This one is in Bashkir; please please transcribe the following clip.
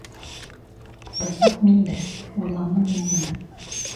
Бысаҡ миндә, урланым мин уны.